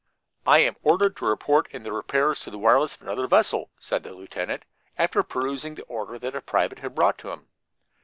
"I am ordered to report to aid in the repairs to the wireless of another vessel," said the lieutenant, after perusing the order that a private had brought to him.